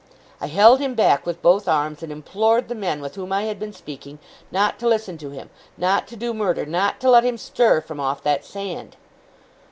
I held him back with both arms; and implored the men with whom I had been speaking, not to listen to him, not to do murder, not to let him stir from off that sand!